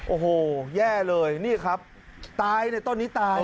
โอ้โหแย่เลยนี่ครับตายในต้นนี้ตาย